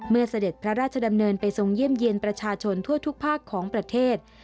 เสด็จพระราชดำเนินไปทรงเยี่ยมเยี่ยนประชาชนทั่วทุกภาคของประเทศ